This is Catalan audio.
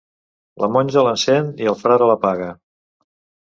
La monja l'encén i el frare l'apaga.